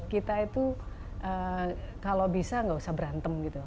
kita itu kalau bisa nggak usah berantem gitu